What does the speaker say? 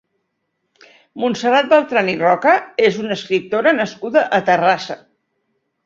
Montserrat Beltran i Roca és una escriptora nascuda a Terrassa.